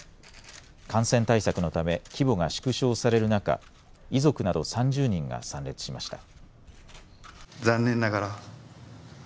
感染対策のため規模が縮小される中遺族など３０人が参列しました。